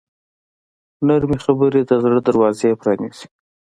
نرمې خبرې د زړه دروازې پرانیزي.